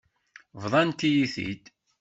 Bḍant-iyi-t-id.